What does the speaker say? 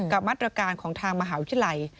มาตรการของทางมหาวิทยาลัย